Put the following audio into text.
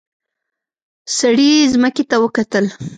سړي ځمکې ته وکتل.